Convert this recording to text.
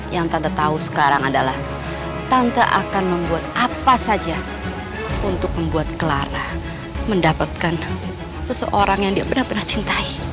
yang tante tahu sekarang adalah tante akan membuat apa saja untuk membuat clara mendapatkan seseorang yang dia pernah cintai